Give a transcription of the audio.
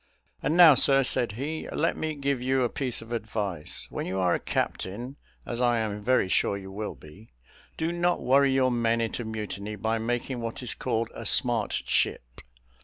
"And now, sir," said he, "let me give you a piece of advice. When you are a captain, as I am very sure you will be, do not worry your men into mutiny by making what is called a smart ship.